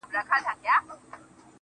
هغه به اور له خپلو سترګو پرېولي.